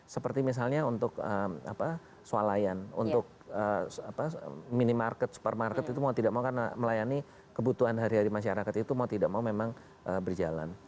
seperti misalnya untuk sualayan untuk minimarket supermarket itu mau tidak mau karena melayani kebutuhan hari hari masyarakat itu mau tidak mau memang berjalan